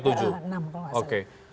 enam kalau nggak salah